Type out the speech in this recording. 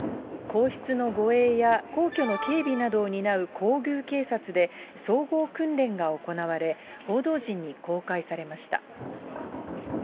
皇室の護衛や皇居の警備などを担う皇宮警察で総合訓練が行われ、報道陣に公開されました。